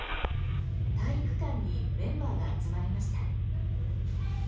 体育館にメンバーが集まりました。